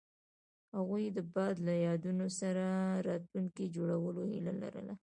هغوی د باد له یادونو سره راتلونکی جوړولو هیله لرله.